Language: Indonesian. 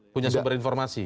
punya sumber informasi